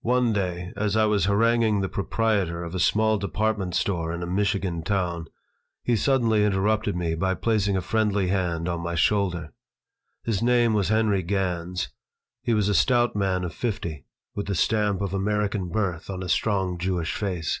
One day, as I was haranguing the proprietor of a small department store in a Michigan town, he suddenly interrupted me by placing a friendly hand on my shoulder. His name was Henry Gans. He was a stout man of fifty, with the stamp of American birth on a strong Jewish face.